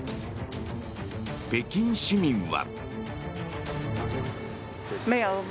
北京市民は。